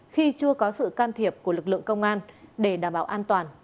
khi chưa có sự can thiệp của lực lượng công an để đảm bảo an toàn